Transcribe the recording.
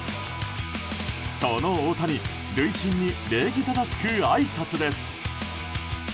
その大谷、塁審に礼儀正しくあいさつです。